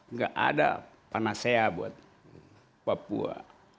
nggak ada panasea buat papua